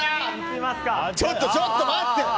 ちょっと、ちょっと待って！